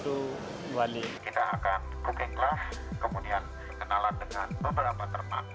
dan kita akan berkumpul kelas